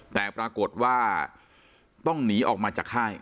แต่ปรากฏว่าต้องหนีออกมาจากค่าย